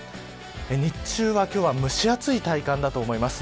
日中は今日は蒸し暑い体感だと思います。